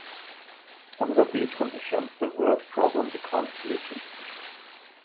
Under these conditions the word problem becomes easy.